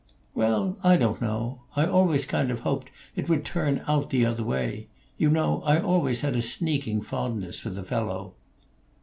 "Well, I don't know. I always kind of hoped it would turn out the other way. You know I always had a sneaking fondness for the fellow."